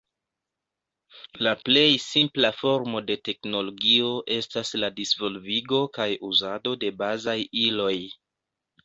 La plej simpla formo de teknologio estas la disvolvigo kaj uzado de bazaj iloj.